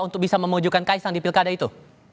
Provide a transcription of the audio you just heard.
untuk bisa memunjukkan kaesang di pilkada itu